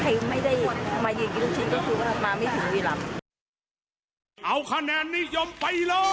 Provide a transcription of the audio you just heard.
ใครไม่ได้มายืนกินลูกชิ้นก็คือไม่ถึงวีรัมพ์